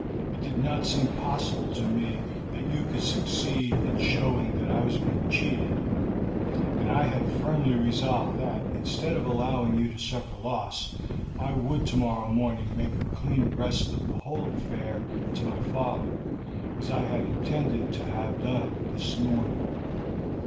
It did not seem possible to me that you could succeed in showing that I was being cheated, and I had firmly resolved that, instead of allowing you to suffer loss, I would tomorrow morning make a clean breast of the whole affair to my father, as I had intended to have done this morning."